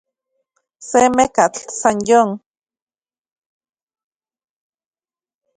Se mekatl, san yon.